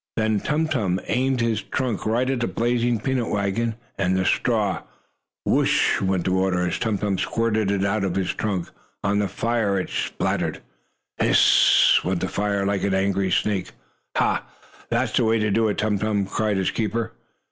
Then Tum Tum aimed his trunk right at the blazing peanut wagon and the straw. Whooo ish! went the water, as Tum Tum squirted it out of his trunk. On the fire it spattered. Hiss s s s s! went the fire, like an angry snake. "Ha! That's the way to do it, Tum Tum!" cried his keeper.